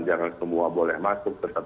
jangan semua boleh masuk tetap